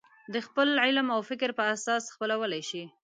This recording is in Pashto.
د خپل علم او فکر په اساس خپلولی شي.